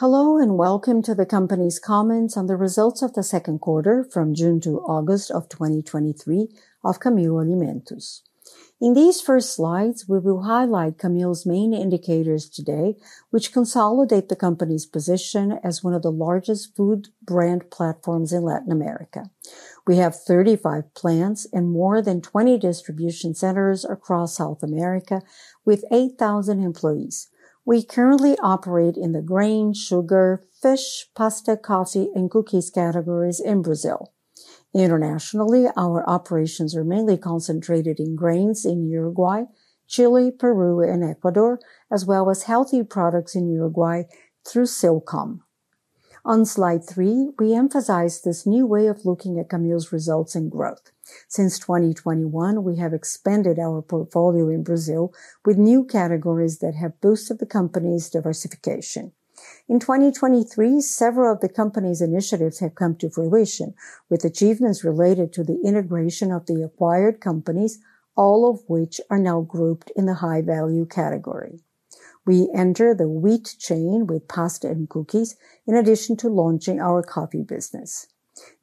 Hello, and welcome to the company's comments on the results of the second quarter from June to August of 2023 of Camil Alimentos. In these first slides, we will highlight Camil's main indicators today, which consolidate the company's position as one of the largest food brand platforms in Latin America. We have 35 plants and more than 20 distribution centers across South America with 8,000 employees. We currently operate in the grain, sugar, fish, pasta, coffee, and cookies categories in Brazil. Internationally, our operations are mainly concentrated in grains in Uruguay, Chile, Peru, and Ecuador, as well as healthy products in Uruguay through Silcom. On slide 3, we emphasize this new way of looking at Camil's results and growth. Since 2021, we have expanded our portfolio in Brazil with new categories that have boosted the company's diversification. In 2023, several of the company's initiatives have come to fruition, with achievements related to the integration of the acquired companies, all of which are now grouped in the high-value category. We enter the wheat chain with pasta and cookies, in addition to launching our coffee business.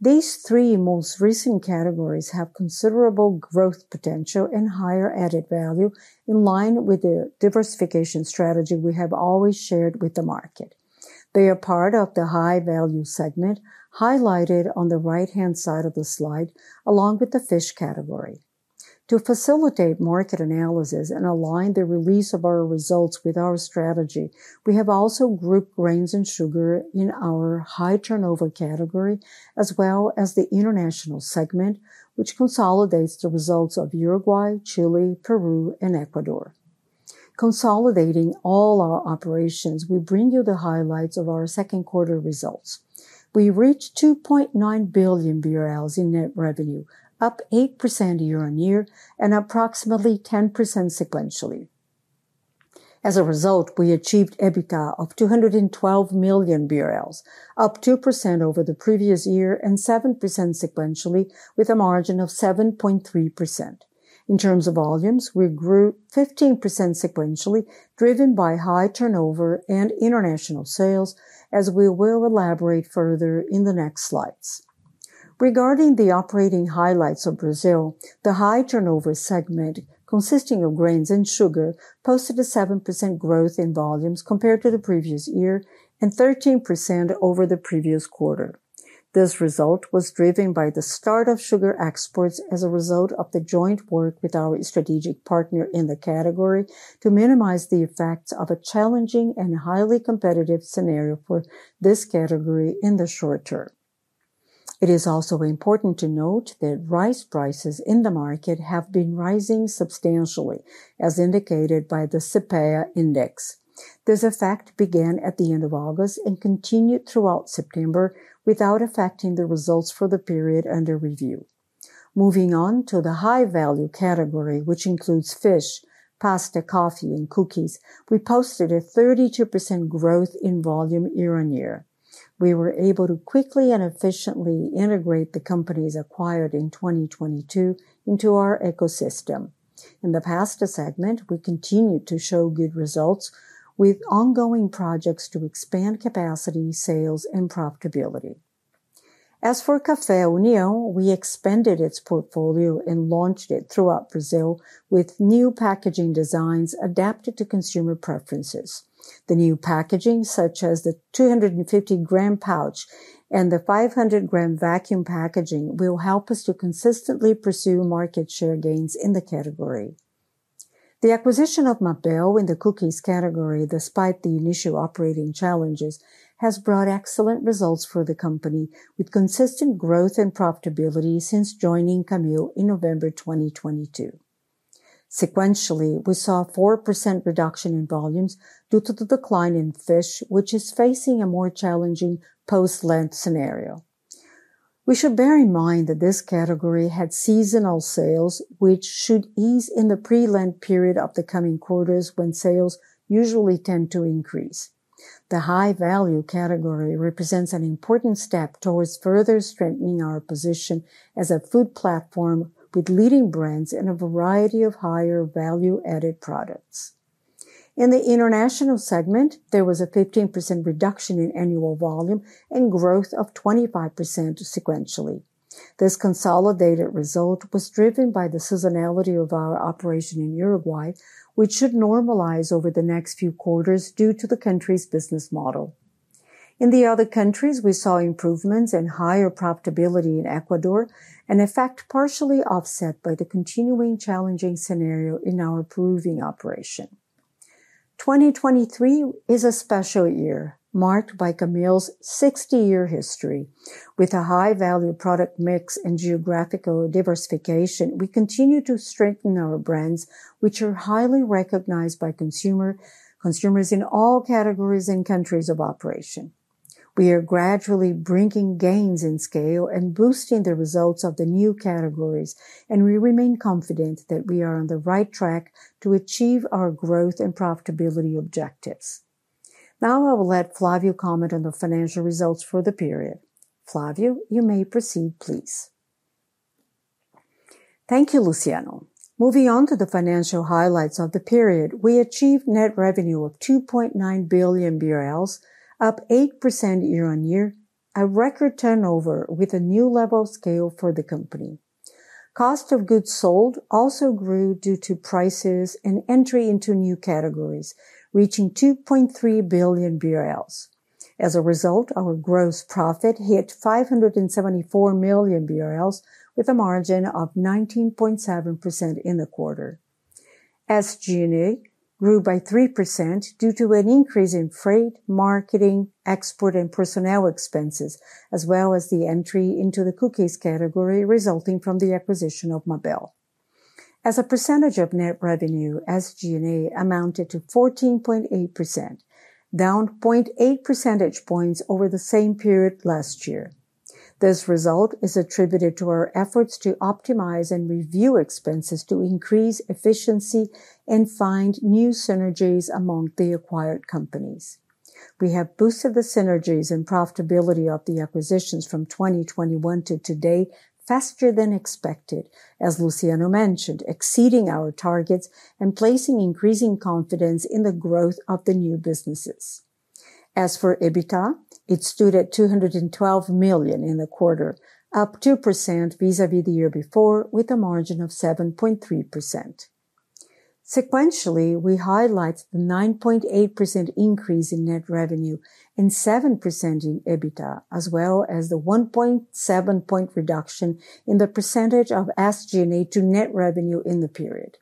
These three most recent categories have considerable growth potential and higher added value in line with the diversification strategy we have always shared with the market. They are part of the high-value segment, highlighted on the right-hand side of the slide, along with the fish category. To facilitate market analysis and align the release of our results with our strategy, we have also grouped grains and sugar in our high turnover category, as well as the international segment, which consolidates the results of Uruguay, Chile, Peru, and Ecuador. Consolidating all our operations, we bring you the highlights of our second quarter results. We reached 2.9 billion BRL in net revenue, up 8% year-on-year and approximately 10% sequentially. As a result, we achieved EBITDA of 212 million BRL, up 2% over the previous year and 7% sequentially, with a margin of 7.3%. In terms of volumes, we grew 15% sequentially, driven by high turnover and international sales, as we will elaborate further in the next slides. Regarding the operating highlights of Brazil, the high turnover segment, consisting of grains and sugar, posted a 7% growth in volumes compared to the previous year and 13% over the previous quarter. This result was driven by the start of sugar exports as a result of the joint work with our strategic partner in the category to minimize the effects of a challenging and highly competitive scenario for this category in the short term. It is also important to note that rice prices in the market have been rising substantially, as indicated by the CEPEA index. This effect began at the end of August and continued throughout September without affecting the results for the period under review. Moving on to the high-value category, which includes fish, pasta, coffee, and cookies, we posted a 32% growth in volume year-on-year. We were able to quickly and efficiently integrate the companies acquired in 2022 into our ecosystem. In the pasta segment, we continued to show good results with ongoing projects to expand capacity, sales, and profitability. As for Café União, we expanded its portfolio and launched it throughout Brazil with new packaging designs adapted to consumer preferences. The new packaging, such as the 250-gram pouch and the 500-gram vacuum packaging, will help us to consistently pursue market share gains in the category. The acquisition of Mabel in the cookies category, despite the initial operating challenges, has brought excellent results for the company, with consistent growth and profitability since joining Camil in November 2022. Sequentially, we saw a 4% reduction in volumes due to the decline in fish, which is facing a more challenging post-Lent scenario. We should bear in mind that this category had seasonal sales, which should ease in the pre-Lent period of the coming quarters, when sales usually tend to increase. The high-value category represents an important step towards further strengthening our position as a food platform with leading brands and a variety of higher value-added products. In the international segment, there was a 15% reduction in annual volume and growth of 25% sequentially. This consolidated result was driven by the seasonality of our operation in Uruguay, which should normalize over the next few quarters due to the country's business model. In the other countries, we saw improvements and higher profitability in Ecuador, an effect partially offset by the continuing challenging scenario in our Peruvian operation. 2023 is a special year, marked by Camil's 60-year history. With a high-value product mix and geographical diversification, we continue to strengthen our brands, which are highly recognized by consumers in all categories and countries of operation. We are gradually bringing gains in scale and boosting the results of the new categories, and we remain confident that we are on the right track to achieve our growth and profitability objectives. Now I will let Flávio comment on the financial results for the period. Flávio, you may proceed, please. Thank you, Luciano. Moving on to the financial highlights of the period, we achieved net revenue of 2.9 billion BRL, up 8% year-on-year, a record turnover with a new level of scale for the company. Cost of goods sold also grew due to prices and entry into new categories, reaching 2.3 billion BRL. As a result, our gross profit hit 574 million BRL, with a margin of 19.7% in the quarter. SG&A grew by 3% due to an increase in freight, marketing, export, and personnel expenses, as well as the entry into the cookies category, resulting from the acquisition of Mabel. As a percentage of net revenue, SG&A amounted to 14.8%, down 0.8 percentage points over the same period last year. This result is attributed to our efforts to optimize and review expenses to increase efficiency and find new synergies among the acquired companies. We have boosted the synergies and profitability of the acquisitions from 2021 to today faster than expected, as Luciano mentioned, exceeding our targets and placing increasing confidence in the growth of the new businesses. As for EBITDA, it stood at 212 million in the quarter, up 2% vis-à-vis the year before, with a margin of 7.3%. Sequentially, we highlight the 9.8% increase in net revenue and 7% in EBITDA, as well as the 1.7-point reduction in the percentage of SG&A to net revenue in the period.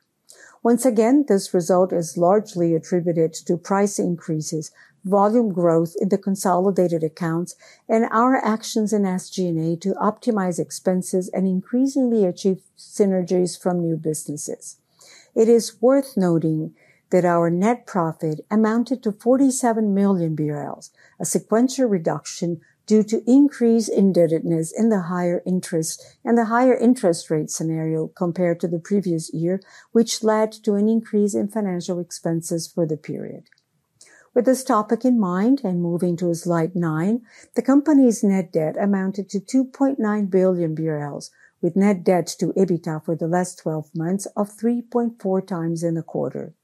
Once again, this result is largely attributed to price increases, volume growth in the consolidated accounts, and our actions in SG&A to optimize expenses and increasingly achieve synergies from new businesses. It is worth noting that our net profit amounted to 47 million BRL, a sequential reduction due to increased indebtedness in the higher interest, and the higher interest rate scenario compared to the previous year, which led to an increase in financial expenses for the period. With this topic in mind, moving to slide nine, the company's net debt amounted to 2.9 billion BRL, with net debt to EBITDA for the last 12 months of 3.4 times in the quarter.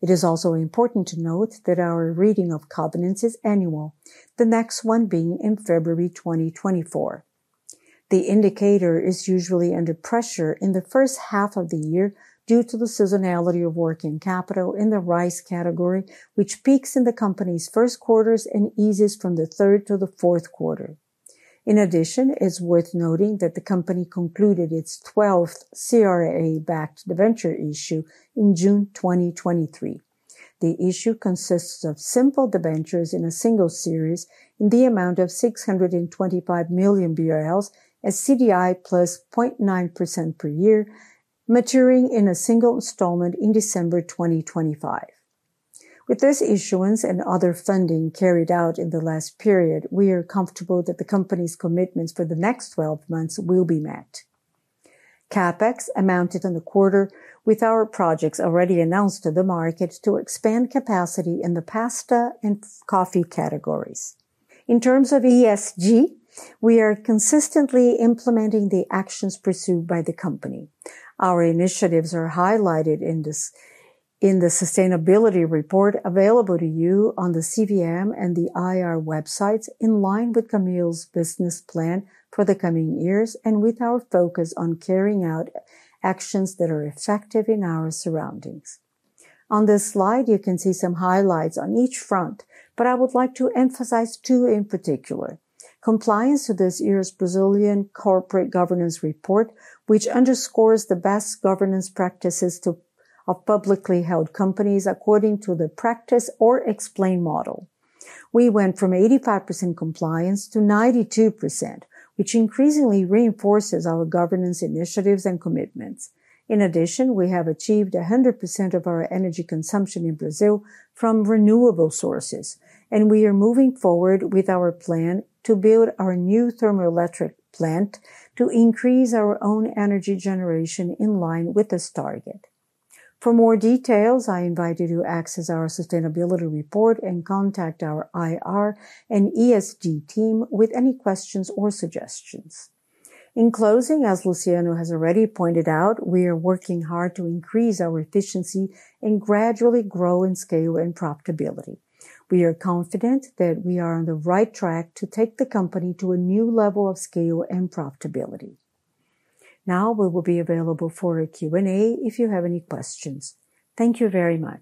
It is also important to note that our reading of covenants is annual, the next one being in February 2024. The indicator is usually under pressure in the first half of the year due to the seasonality of working capital in the rice category, which peaks in the company's first quarters and eases from the third to the fourth quarter. In addition, it's worth noting that the company concluded its 12th CRA-backed debenture issue in June 2023. The issue consists of simple debentures in a single series in the amount of 625 million BRL as CDI plus 0.9% per year, maturing in a single installment in December 2025. With this issuance and other funding carried out in the last period, we are comfortable that the company's commitments for the next twelve months will be met. CapEx amounted in the quarter with our projects already announced to the market to expand capacity in the pasta and coffee categories. In terms of ESG, we are consistently implementing the actions pursued by the company. Our initiatives are highlighted in this, in the sustainability report, available to you on the CVM and the IR websites, in line with Camil's business plan for the coming years, and with our focus on carrying out actions that are effective in our surroundings. On this slide, you can see some highlights on each front, but I would like to emphasize two in particular. Compliance to this year's Brazilian Corporate Governance Report, which underscores the best governance practices of publicly held companies, according to the comply or explain model. We went from 85% compliance to 92%, which increasingly reinforces our governance initiatives and commitments. In addition, we have achieved 100% of our energy consumption in Brazil from renewable sources, and we are moving forward with our plan to build our new thermoelectric plant to increase our own energy generation in line with this target. For more details, I invite you to access our sustainability report and contact our IR and ESG team with any questions or suggestions. In closing, as Luciano has already pointed out, we are working hard to increase our efficiency and gradually grow in scale and profitability. We are confident that we are on the right track to take the company to a new level of scale and profitability. Now, we will be available for a Q&A if you have any questions. Thank you very much.